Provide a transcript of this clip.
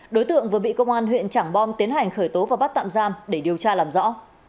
đối tượng vừa bị công an huyện trảng bom tiến hành khởi tố và bắt tạm giam để điều tra làm rõ